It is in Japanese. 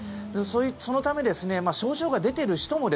そのため、症状が出てる人も